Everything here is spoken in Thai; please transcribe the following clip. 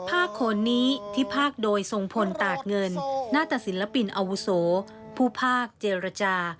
ภาคโคนนี้ที่ภาคโดยทรงพลตาดเงินหน้าตศิลปินอาวุโสผู้ภาคเจรจา